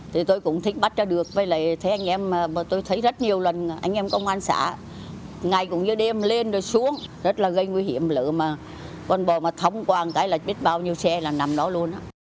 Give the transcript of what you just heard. thì tôi cũng thích bắt ra được tôi thấy rất nhiều lần anh em công an xã ngày cũng như đêm lên rồi xuống rất là gây nguy hiểm lựa mà con bò mà thống qua một cái là biết bao nhiêu xe là nằm đó luôn